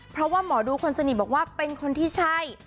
เพราะว่าหมอดูคนสนิทบอกว่าเป็นคนที่ใช่